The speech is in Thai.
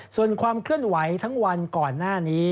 ส่วนความเคลื่อนไหวทั้งวันก่อนหน้านี้